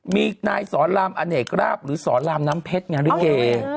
มีนายสอนรามอเนกราบหรือสอนรามน้ำเพชรงานลิเก